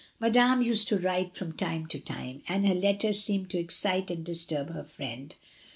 Madame used to write from time to time, 268 MRS. DYMOND. and her letters seemed to excite and disturb her friend.